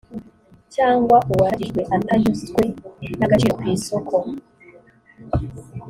cyangwa uwaragijwe atanyuzwe n agaciro ku isoko